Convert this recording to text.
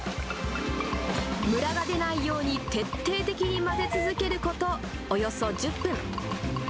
むらが出ないように徹底的に混ぜ続けることおよそ１０分。